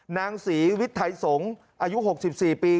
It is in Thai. นางสีวิทย์ไถสงศ์อายุ๖๔ปี